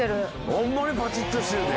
ホンマにパチッとしてるで。